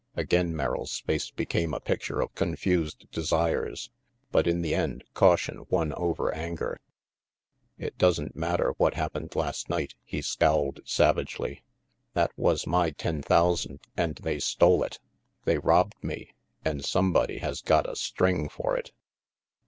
Again Merrill's face became a picture of confused desires; but in the end caution won over anger. "It doesn't matter what happened last night," he scowled savagely. "That was my ten thousand and they stole it. They robbed me, and somebody has gotta string for it."